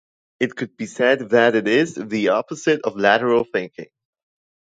It could be said that it is the opposite of lateral thinking.